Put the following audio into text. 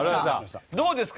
どうですか？